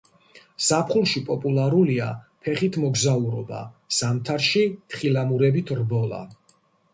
ზაფხულში პოპულარულია ფეხით მოგზაურობა, ზამთარში თხილამურებით რბოლა.